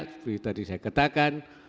seperti tadi saya katakan